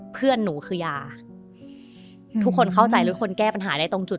เพื่อนหนูคือยาทุกคนเข้าใจหรือคนแก้ปัญหาได้ตรงจุด